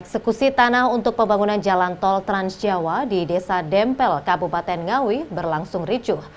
eksekusi tanah untuk pembangunan jalan tol transjawa di desa dempel kabupaten ngawi berlangsung ricuh